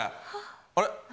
あれ？